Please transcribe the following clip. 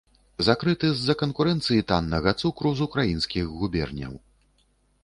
Закрыты з-за канкурэнцыі таннага цукру з украінскіх губерняў.